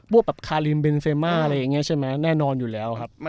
พวกแบบคาริมเบนเซมาอะไรอย่างนี้ใช่ไหมแน่นอนอยู่แล้วครับ